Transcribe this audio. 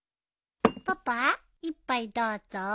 パパ一杯どうぞ。